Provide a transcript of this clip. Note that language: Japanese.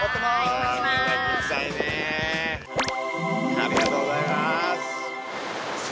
ありがとうございます！